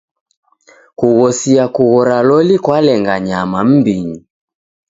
Kughosia kughora loli kwalenga nyama m'mbinyi.